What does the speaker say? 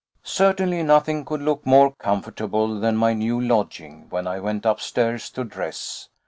Certainly nothing could look more comfortable than my new lodging when I went upstairs to dress.